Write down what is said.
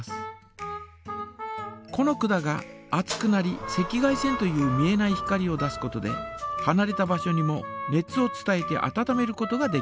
この管が熱くなり赤外線という見えない光を出すことではなれた場所にも熱を伝えてあたためることができます。